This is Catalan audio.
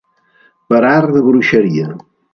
Per art de bruixeria.